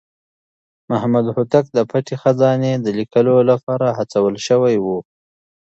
محمد هوتک د پټې خزانې د ليکلو لپاره هڅول شوی و.